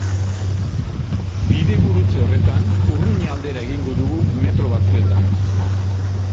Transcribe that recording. Bidegurutze horretan Urruña aldera egingo dugu metro batzuetan.